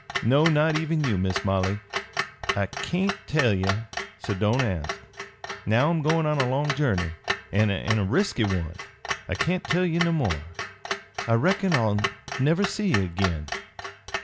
No, not even you, Miss Molly. I kain't tell ye, so don't ask. "Now I'm goin' on a long journey, an' a resky one; I kain't tell ye no more. I reckon I'll never see ye agin.